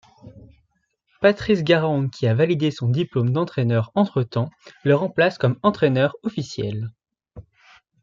Patrice Garande, qui a validé son diplôme d’entraîneur entre-temps, le remplace comme entraîneur officiel.